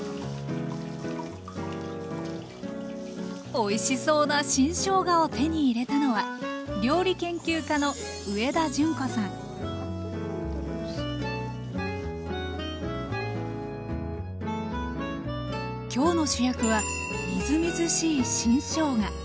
おいしそうな新しょうがを手に入れたのは今日の主役はみずみずしい新しょうが。